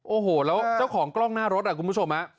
โอ้โหแล้วเจ้าของกล้องหน้ารถคุณผู้ชม